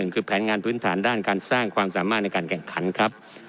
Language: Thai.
คือแผนงานพื้นฐานด้านการสร้างความสามารถในการแข่งขันครับ